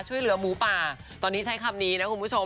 ช่วยเหลือหมูป่าตอนนี้ใช้คำนี้นะคุณผู้ชม